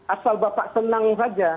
asal bapak senang saja